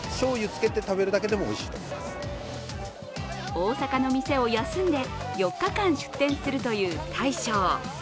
大阪の店を休んで、４日間出店するという大将。